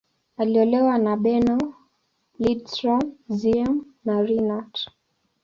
Aliolewa na Bernow, Lindström, Ziems, na Renat.